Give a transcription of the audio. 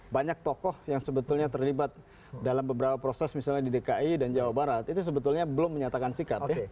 banyak tokoh yang sebetulnya terlibat dalam beberapa proses misalnya di dki dan jawa barat itu sebetulnya belum menyatakan sikap ya